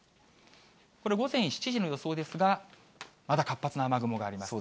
これ、午前７時の予想ですが、まだ活発な雨雲があります。